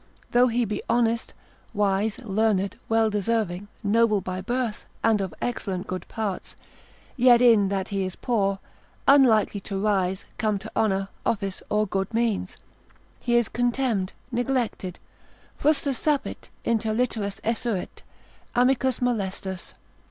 Though he be honest, wise, learned, well deserving, noble by birth, and of excellent good parts; yet in that he is poor, unlikely to rise, come to honour, office, or good means, he is contemned, neglected, frustra sapit, inter literas esurit, amicus molestus.